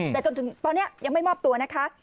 แต่จนถึงตอนนี้ยังไม่มอบตัวนะคะ